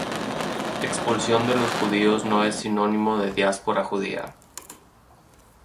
Expulsión de los judíos no es sinónimo de diáspora judía.